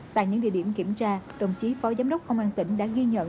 tại những địa điểm kiểm tra đồng chí phó giám đốc công an tỉnh đã ghi nhận